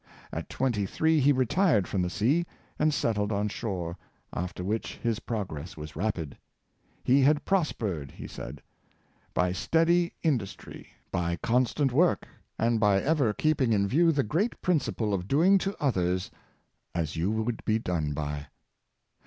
At twenty three he retired from the sea, and settled on shore, after which his progress was rapid; ^' he had prospered," he said, " by steady industry, by constant work, and by ever keeping in view the great principle of doing to others as you would be done by.""